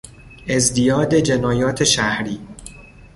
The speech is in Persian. ازدیاد جنایات شهری